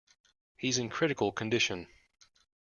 He's in critical condition.